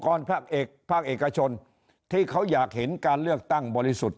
ภาคเอกภาคเอกชนที่เขาอยากเห็นการเลือกตั้งบริสุทธิ์